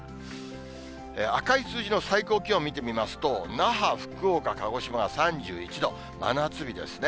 赤い数字の最高気温を見てみますと、那覇、福岡、鹿児島は３１度、真夏日ですね。